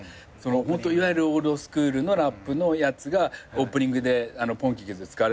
いわゆるオールドスクールのラップのやつがオープニングで『ポンキッキーズ』で使われてたから。